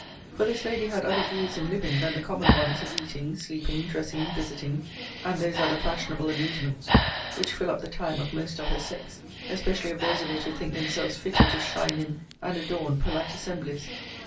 For this lady had other views in living, than the common ones of eating, sleeping, dressing, visiting, and those other fashionable amusements, which fill up the time of most of her sex, especially of those of it who think themselves fitted to shine in and adorn polite assemblies.